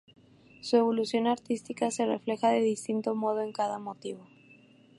Su evolución artística se refleja de distinto modo en cada motivo.